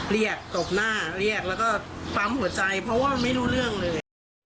ตบหน้าเรียกแล้วก็ปั๊มหัวใจเพราะว่าไม่รู้เรื่องเลย